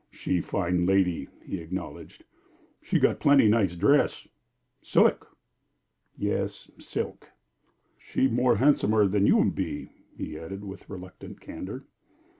"She fine lady," he acknowledged. "She got plenty nice dress silik." "Yes, silk." "She more han'somer than you be," he added, with reluctant candor.